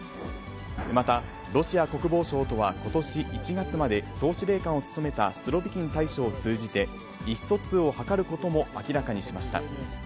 また、ロシア国防省とはことし１月まで総司令官を務めたスロビキン大将を通じて、意思疎通を図ることも明らかにしました。